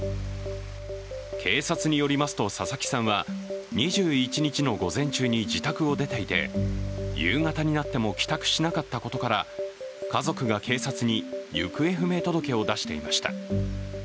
警察によりますと、佐々木さんは２１日の午前中に自宅を出ていて、夕方になっても帰宅しなかったことから家族が警察に行方不明届を出していました。